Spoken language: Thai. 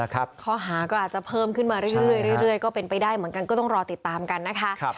ข้อหาก็อาจจะเพิ่มขึ้นมาเรื่อยก็เป็นไปได้เหมือนกันก็ต้องรอติดตามกันนะคะ